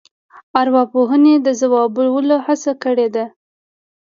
ارواپوهنې د ځوابولو هڅه کړې ده.